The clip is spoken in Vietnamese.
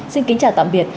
xin kính chào tạm biệt